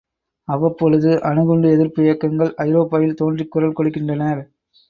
அவ்வப் பொழுது அணுகுண்டு எதிர்ப்பு இயக்கங்கள் ஐரோப்பாவில் தோன்றிக் குரல் கொடுக்கின்றனர்.